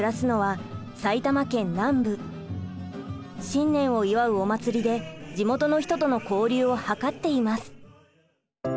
新年を祝うお祭りで地元の人との交流を図っています。